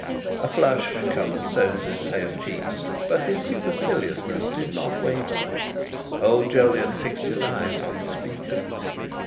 A flush coloured Soames's pale cheeks, but his superciliousness did not waver. Old Jolyon fixed his eyes on the speaker.